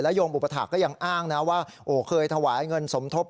แล้วโยมอุบัติฐานก็ยังอ้างนะว่าเคยถวายเงินสมทบ